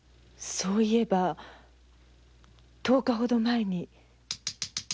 そう言えば１０日ほど前に。